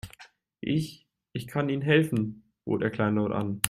Ich, ich kann Ihnen helfen, bot er kleinlaut an.